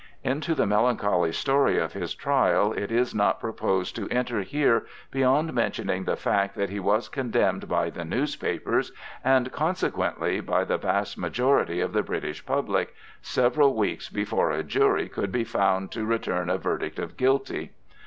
Into the melancholy story of his trial it is not proposed to enter here beyond mentioning the fact that he was condemned by the newspapers, and, consequently, by the vast majority of the British public, several weeks before a jury could be found to return a verdict of 'guilty.'